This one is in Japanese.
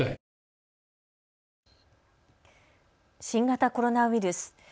新型コロナウイルス。